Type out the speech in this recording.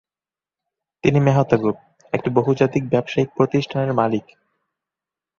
তিনি মেহতা গ্রুপ, একটি বহুজাতিক ব্যবসায়িক প্রতিষ্ঠান এর মালিক।